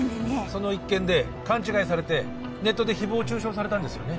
その一件で勘違いされてネットで誹謗中傷されたんですよね